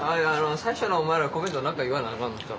最初のお前らコメント何か言わなあかんのちゃう？